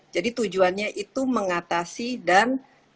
jadi tujuannya itu mengatasi dan